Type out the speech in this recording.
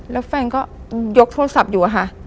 แล้วแฟนก็ยกโทรศัพท์อยู่อะค่ะ